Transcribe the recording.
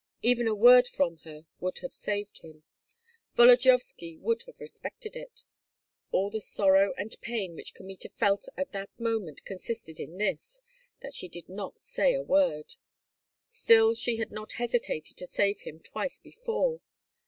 Even a word from her would have saved him. Volodyovski would have respected it. All the sorrow and pain which Kmita felt at that moment consisted in this, that she did not say that word. Still she had not hesitated to save him twice before.